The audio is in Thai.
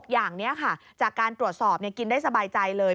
อย่างนี้ค่ะจากการตรวจสอบกินได้สบายใจเลย